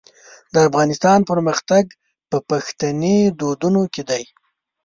د افغانستان پرمختګ په پښتني دودونو کې دی.